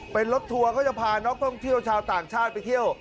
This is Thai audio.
เป็นรถทัวร์เขาจะพานักท่องเที่ยวชาวต่างชาติไปเที่ยว